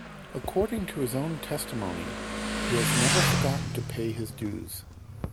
According to his own testimony, he has never forgotten to pay his dues.